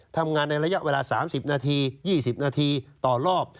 ทำงานในระยะเวลา๓๐นาที๒๐นาทีต่อรอบ